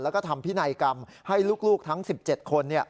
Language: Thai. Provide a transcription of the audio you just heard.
แล้วก็ทำพินัยกรรมให้ลูกทั้ง๑๗คน